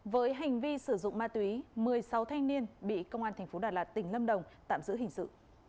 với hành vi sử dụng ma túy một mươi sáu thanh niên bị công an tp đà lạt tỉnh lâm đồng tạm giữ hình sự